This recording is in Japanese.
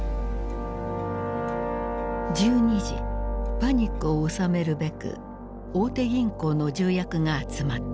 パニックを収めるべく大手銀行の重役が集まった。